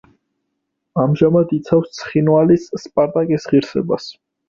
ამჟამად იცავს ცხინვალის „სპარტაკის“ ღირსებას.